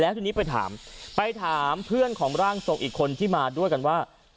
ทีนี้ไปถามไปถามเพื่อนของร่างทรงอีกคนที่มาด้วยกันว่า